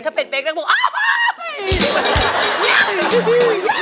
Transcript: ถ้าเป็นเฟ็กซ์แล้วกูอ้าว